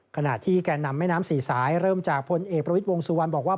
ขณะที่แก่นำแม่น้ำสี่สายเริ่มจากพลเอกประวิทย์วงสุวรรณบอกว่า